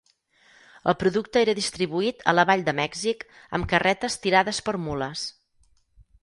El producte era distribuït a la vall de Mèxic amb carretes tirades per mules.